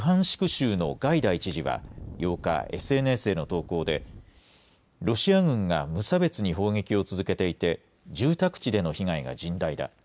州のガイダイ知事は８日、ＳＮＳへの投稿でロシア軍が無差別に砲撃を続けていて住宅地での被害が甚大だ。